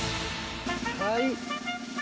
はい！